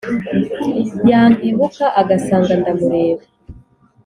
yankebuka agasanga ndamureba